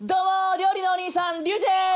料理のおにいさんリュウジです。